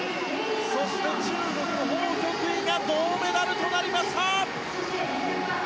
そして、中国のホウ・キョクイが銅メダルとなりました。